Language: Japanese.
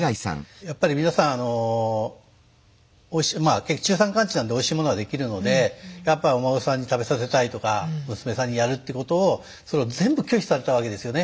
やっぱり皆さんあの中山間地なのでおいしいものはできるのでやっぱりお孫さんに食べさせたいとか娘さんにやるってことをそれを全部拒否されたわけですよね。